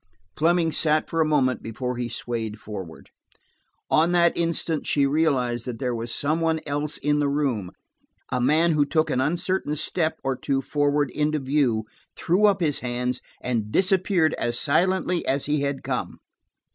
Fleming sat for a moment before he swayed forward. On that instant she realized that there was some one else in the room–a man who took an uncertain step or two forward into view, threw up his hands and disappeared as silently as he had come.